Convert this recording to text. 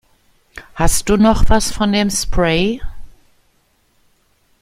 Hast du noch was von dem Spray?